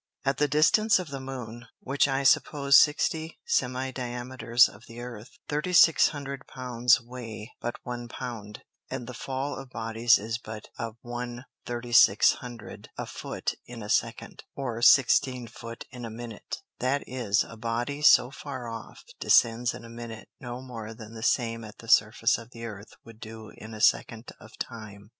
At the distance of the Moon (which I will suppose 60 Semidiameters of the Earth) 3600 Pounds weigh but one Pound, and the fall of Bodies is but of 1/3600 a Foot in a second, or 16 Foot in a Minute; that is, a Body so far off descends in a Minute no more than the same at the Surface of the Earth would do in a Second of Time.